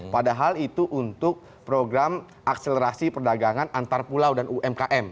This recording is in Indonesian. padahal itu untuk program akselerasi perdagangan antar pulau dan umkm